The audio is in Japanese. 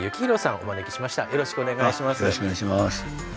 よろしくお願いします。